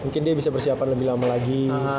mungkin dia bisa persiapan lebih lama lagi